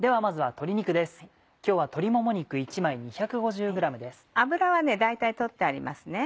脂は大体取ってありますね。